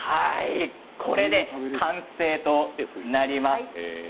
これで完成となります。